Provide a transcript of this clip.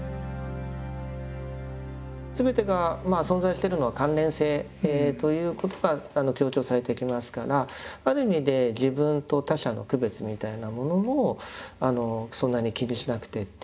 すべてがまあ存在してるのは関連性ということが強調されてきますからある意味で自分と他者の区別みたいなものもそんなに気にしなくてっていうんでしょうかね